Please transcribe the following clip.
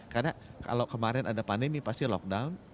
karena kalau kemarin ada pandemi pasti lockdown